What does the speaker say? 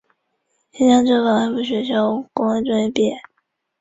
新疆政法干部学校公安专业毕业。